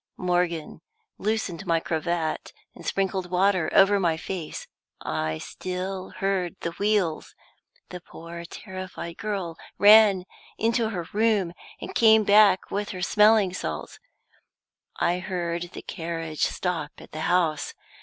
Morgan loosened my cravat, and sprinkled water over my face I still heard the wheels. The poor terrified girl ran into her room, and came back with her smelling salts I heard the carriage stop at the house.